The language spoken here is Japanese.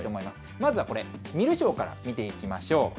まずはこれ、観る将から見ていきましょう。